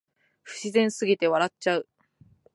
不自然すぎて笑っちゃう